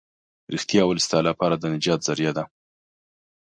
رښتيا ويل ستا لپاره د نجات ذريعه ده.